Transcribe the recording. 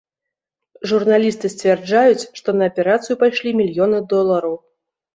Журналісты сцвярджаюць, што на аперацыю пайшлі мільёны долараў.